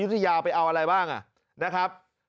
ทยาไปเอาอะไรบ้างนะครับ